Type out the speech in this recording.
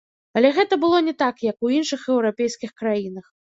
Але гэта было не так, як у іншых еўрапейскіх краінах.